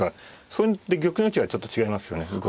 それで玉の位置がちょっと違いますよね。